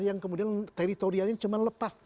yang kemudian teritorialnya cuma lepas